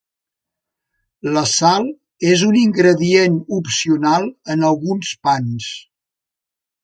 La sal és un ingredient opcional en alguns pans.